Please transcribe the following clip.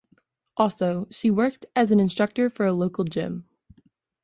Also, she worked as an instructor for a local gym.